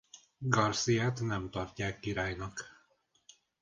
Garcíát nem tartják királynak.